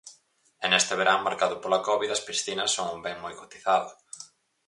E neste verán marcado pola Covid as piscinas son un ben moi cotizado.